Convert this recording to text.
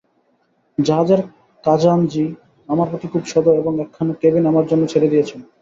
জাহাজের খাজাঞ্চী আমার প্রতি খুব সদয় এবং একখানা কেবিন আমার জন্য ছেড়ে দিয়েছেন।